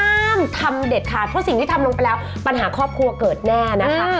ห้ามทำเด็ดขาดเพราะสิ่งที่ทำลงไปแล้วปัญหาครอบครัวเกิดแน่นะคะ